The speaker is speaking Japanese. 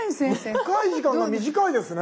深い時間が短いですね。